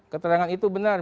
keterangan itu benar